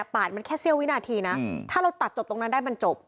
ปาดมันแค่เสี้ยววินาทีนะถ้าเราตัดจบตรงนั้นได้มันจบ